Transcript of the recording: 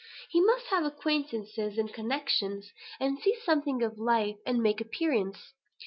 He must have acquaintances and connections, and see something of life, and make an appearance.